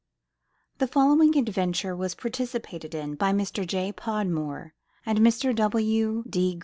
The following adventure was participated in by Mr. J. Podmore and Mr. W. D.